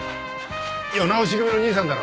世直し組の兄さんだろ？